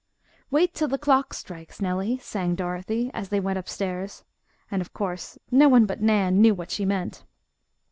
"Wait till the clock strikes, Nellie," sang Dorothy, as they went upstairs, and, of course, no one but Nan knew what she meant.